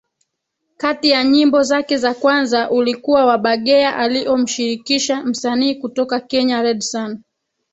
kati ya nyimbo zake za kwanza ulikuwa wa Bageya aliomshirikisha msanii kutoka Kenya Redsan